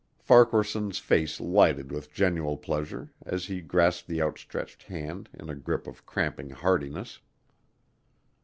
Farquaharson's face lighted with genuine pleasure as he grasped the outstretched hand in a grip of cramping heartiness.